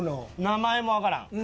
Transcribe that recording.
名前もわからん。